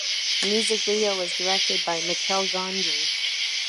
The music video was directed by Michel Gondry.